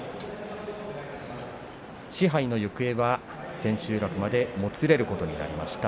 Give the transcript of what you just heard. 賜盃の行方は千秋楽までもつれることになりました。